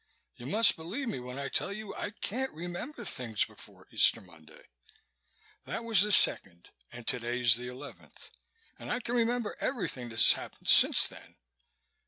You must believe me when I tell you I can't remember things before Easter Monday. That was the second and today is the eleventh and I can remember everything that's happened since then.